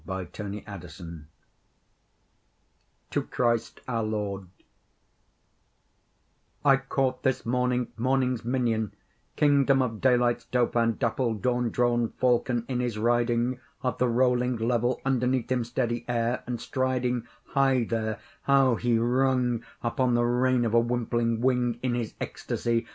12 The Windhover: To Christ our Lord I CAUGHT this morning morning's minion, king dom of daylight's dauphin, dapple dawn drawn Fal con, in his riding Of the rolling level underneath him steady air, and striding High there, how he rung upon the rein of a wimpling wing In his ecstacy!